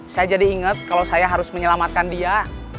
saya jadi ingat kalau saya harus menyelamatkan dia